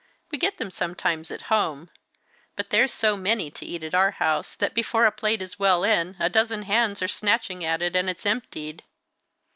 We get them sometimes at home; but there's so many to eat at our house, that before a plate is well in, a dozen hands are snatching at it, and it's emptied.